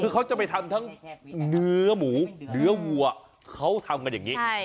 คือเขาจะไปทำทั้งเนื้อหมูเนื้อวัวเขาทำกันอย่างนี้